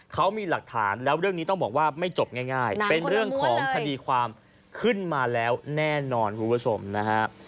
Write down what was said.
เขามีหลักฐานแล้วเรื่องนี้ต้องบอกว่าไม่จบง่ายเป็นเรื่องของคดีความขึ้นมาแล้วแน่นอนคุณผู้ชมนะฮะ